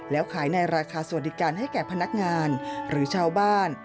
แล้วขายในราคาสวัสดิการให้แก่พนักงานหรือชาวบ้าน